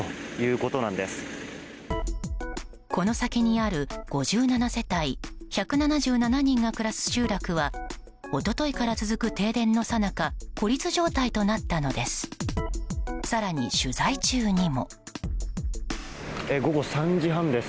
この先にある５７世帯１７７人が暮らす集落は一昨日から続く停電のさなか孤立状態となったのです。